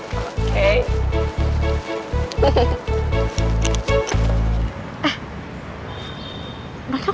kau ga tau